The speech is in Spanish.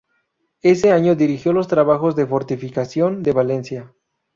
Ese año dirigió los trabajos de fortificación de Valencia.